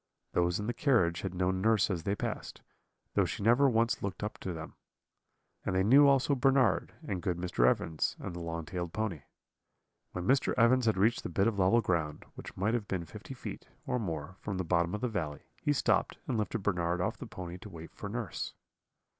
"Those in the carriage had known nurse as they passed, though she never once looked up to them; and they knew also Bernard, and good Mr. Evans, and the long tailed pony. "When Mr. Evans had reached the bit of level ground, which might have been fifty feet, or more, from the bottom of the valley, he stopped, and lifted Bernard off the pony to wait for nurse.